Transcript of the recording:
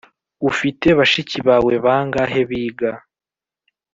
Ufite bashiki bawe bangahe biga?